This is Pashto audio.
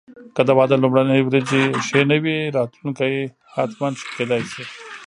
که د واده لومړني ورځې ښې نه وې، راتلونکی حتماً ښه کېدای شي.